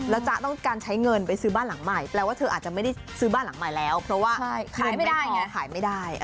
แล้วจ๊ะต้องการใช้เงินไปซื้อบ้านใหม่